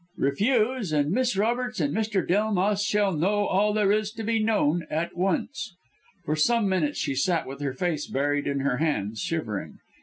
Refuse, and Miss Roberts and Mr. Delmas shall know all there is to be known at once.' "For some minutes she sat with her face buried in her hands shivering.